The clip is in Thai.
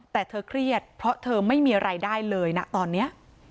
แต่เธอเครียดเพราะเธอไม่มีรายได้เลยนะตอนนี้